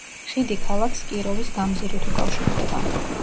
ხიდი ქალაქს კიროვის გამზირით უკავშირდება.